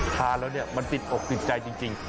ทานแล้วมันติดอกติดใจจริง